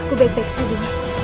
aku baik baik saja